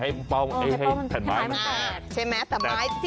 ให้เป้ามันให้แผ่นไม้มันแตก